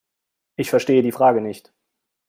Ich verstehe die Frage nicht.